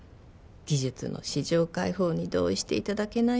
技術の市場開放に同意していただけない